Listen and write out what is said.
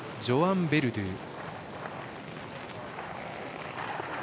ジョアン・ベルドゥ。